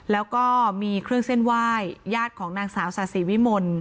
แล้วก็มีเครื่องเส้นไหว้ญาติของนางสาวสาธิวิมล